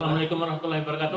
assalamualaikum wr wb